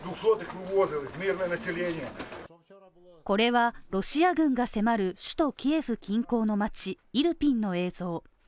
これはロシア軍が迫る首都キエフ近郊の街イルピンの映像。